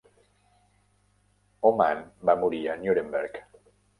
Homann va morir a Nuremberg.